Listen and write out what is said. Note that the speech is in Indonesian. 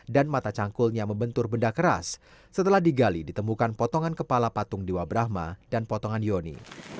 dan mata cangkulnya membentur benda keras setelah digali ditemukan potongan kepala patung dewa brahma dan potongan yoni